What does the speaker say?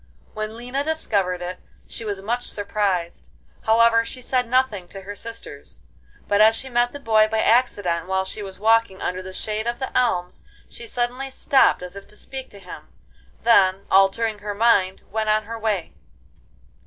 When Lina discovered it she was much surprised. However, she said nothing to her sisters, but as she met the boy by accident while she was walking under the shade of the elms, she suddenly stopped as if to speak to him; then, altering her mind, went on her way.